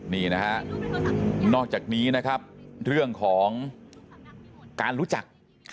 นี่นะฮะนอกจากนี้นะครับเรื่องของการรู้จัก